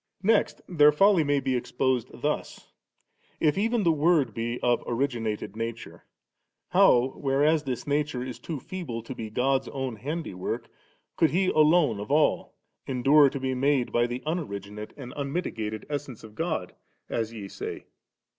36. Next, their folly may be exposed thus :— if even the Word be of originated nature, how, whereas this nature is too feeble to be God's own handywork, could He alone of all endure to be made by the unoriginate and unmitigated >b.id.tlL •Matt.x.ap; vL S Btm(pmwi9, as n^^. dg Dt€r. n Essence of God, as ye say?